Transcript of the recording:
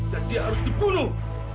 dan dia harus dibunuh